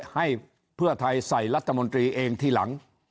ให้เพื่อไทยใส่รัฐมนตรีเองทีหลัง